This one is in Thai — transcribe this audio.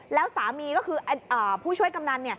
แล้วสามีก็คือผู้ช่วยกำนัน